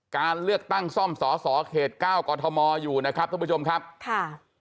การเลือกตั้งซ่อมสอสอเขตเก้ากรทมอยู่นะครับท่านผู้ชมครับค่ะ